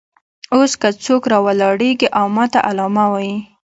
اوس که څوک راولاړېږي او ماته علامه وایي.